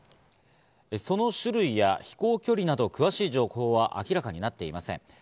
その種類や飛行距離など、詳しい情報は明らかになっていません。